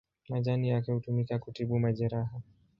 Majani yake hutumika kutibu majeraha.